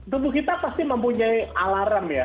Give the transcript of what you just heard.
tubuh kita pasti mempunyai alarm ya